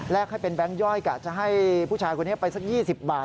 ให้เป็นแก๊งย่อยกะจะให้ผู้ชายคนนี้ไปสัก๒๐บาท